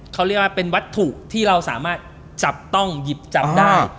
เขาเรียกว่าเป็นวัตถุที่เราสามารถจับต้องหยิบจับได้